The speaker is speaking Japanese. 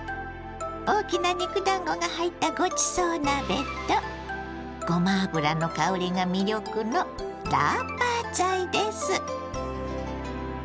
大きな肉だんごが入ったごちそう鍋とごま油の香りが魅力のラーパーツァイです。